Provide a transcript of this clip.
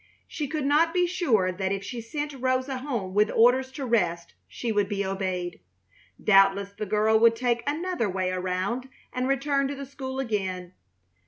She could not be sure that if she sent Rosa home with orders to rest she would be obeyed. Doubtless the girl would take another way around and return to the school again.